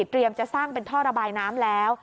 จะสร้างเป็นท่อระบายน้ำแล้ว